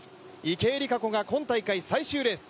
池江璃花子が今大会最終レース。